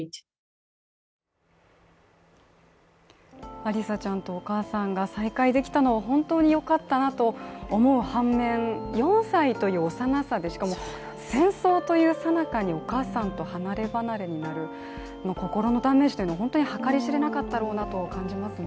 アリサちゃんとお母さんが再会できたのは本当によかったなと思う反面、４歳という幼さで、しかも戦争というさなかにお母さんと離れ離れになる、心のダメージは本当に計り知れなかっただろうなと思いますね